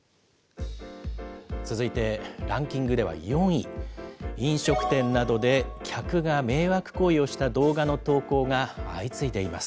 続いてランキングでは４位、飲食店などで客が迷惑行為をした動画の投稿が相次いでいます。